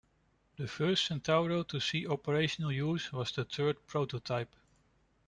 The first Centauro to see operational use was the third prototype.